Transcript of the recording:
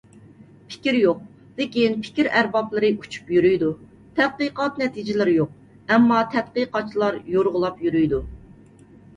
پىكىر يوق، لېكىن «پىكىر ئەربابلىرى» ئۇچۇپ يۈرىيدۇ، تەتقىقات نەتىجىلىرى يوق، ئەمما «تەتقىقاتچىلار» يورغىلاپ يۈرىيدۇ.